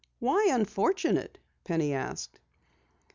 "Why unfortunate?" Penny asked.